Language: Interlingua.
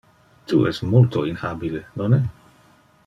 Tu es multo inhabile, nonne?